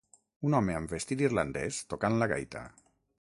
Un home amb vestit irlandès tocant la gaita.